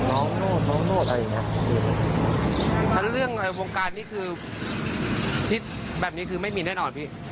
น้องโน่นน้องโน่นอะไรอย่างเงี้ยเรื่องวงการนี่คือที่แบบนี้คือไม่มีแน่นอนพี่